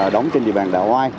đóng trên địa bàn đồng